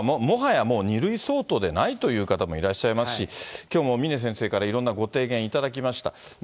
もはやもう２類相当ではないという方もいらっしゃいますし、きょうも峰先生からいろんなご提言頂きました。